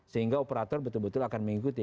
sehingga operator betul betul akan mengikuti